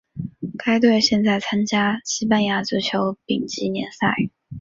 该队现在参加西班牙足球丙级联赛。